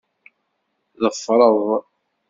Teffreḍ?